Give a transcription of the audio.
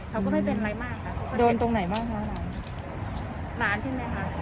เขาก็ไม่เป็นไรมากค่ะเดินตรงไหนมากมากหลานที่ไหนฮะ